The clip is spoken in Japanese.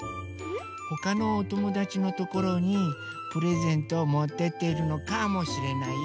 ほかのおともだちのところにプレゼントをもってっているのかもしれないよ。